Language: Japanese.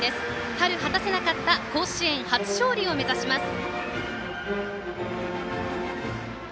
春、果たせなかった甲子園初勝利を目指します。